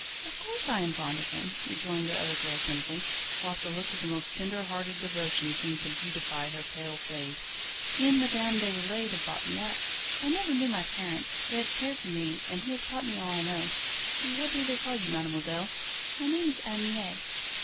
"Of course I am fond of him," rejoined the other girl simply, whilst a look of the most tender hearted devotion seemed to beautify her pale face. "He and Madame Déroulède have brought me up; I never knew my parents. They have cared for me, and he has taught me all I know." "What do they call you, mademoiselle?" "My name is Anne Mie."